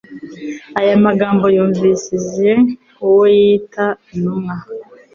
Aya magambo yumvishije uwo yitaga intumwa